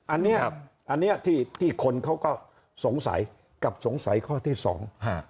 อันนี้ที่คนเขาก็สงสัยกับสงสัยข้อที่สอง